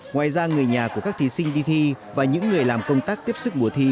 ngoài ra người nhà của các thí sinh đi thi và những người làm công tác tiếp sức mùa thi